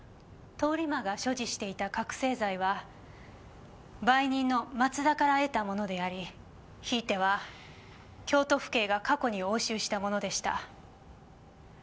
通り魔が所持していた覚せい剤は売人の松田から得たものでありひいては京都府警が過去に押収したものでした。